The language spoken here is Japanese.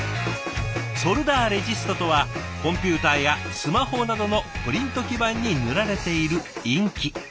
ソルダーレジストとはコンピューターやスマホなどのプリント基板に塗られているインキ。